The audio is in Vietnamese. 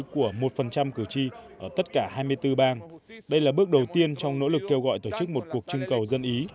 của một cử tri ở tất cả hai mươi bốn bang đây là bước đầu tiên trong nỗ lực kêu gọi tổ chức một cuộc trưng cầu dân ý